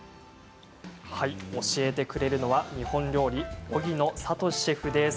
教えてくれるのは日本料理荻野聡士シェフです。